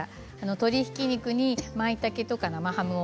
鶏ひき肉に、まいたけと生ハムを。